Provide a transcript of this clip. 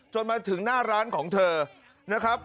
มาถึงหน้าร้านของเธอนะครับ